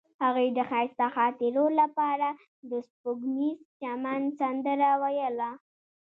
هغې د ښایسته خاطرو لپاره د سپوږمیز چمن سندره ویله.